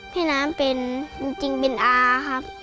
พี่น้ำเป็นจริงบินอาครับ